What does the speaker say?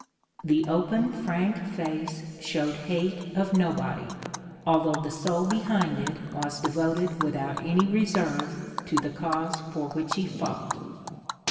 The open, frank face showed hate of nobody, although the soul behind it was devoted without any reserve to the cause for which he fought.